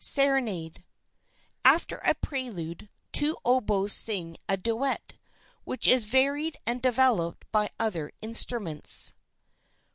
SERENADE After a prelude, two oboes sing a duet, which is varied and developed by other instruments.